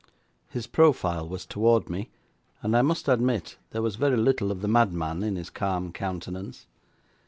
His profile was toward me, and I must admit there was very little of the madman in his calm countenance.